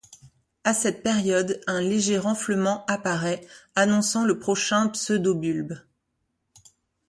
À cette période, un léger renflement apparaît, annonçant le prochain pseudobulbe.